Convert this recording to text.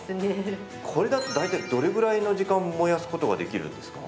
これだと大体どれぐらいの時間燃やすことができるんですか。